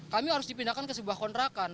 kami harus dipindahkan ke sebuah kontrakan